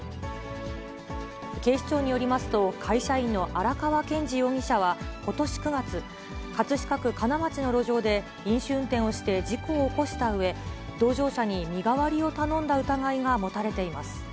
警視庁によりますと、会社員の荒川健司容疑者はことし９月、葛飾区金町の路上で、飲酒運転をして事故を起こしたうえ、同乗者に身代わりを頼んだ疑いが持たれています。